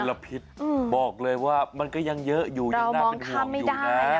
ละพิษบอกเลยว่ามันก็ยังเยอะอยู่ยังน่าเป็นห่วงอยู่นะ